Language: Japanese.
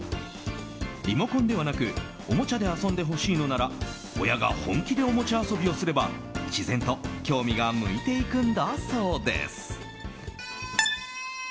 リモコンではなくおもちゃで遊んでほしいのなら親が本気でおもちゃ遊びをすれば自然と興味が向いていくんだそうです。